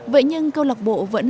vậy nhưng câu lạc bộ vẫn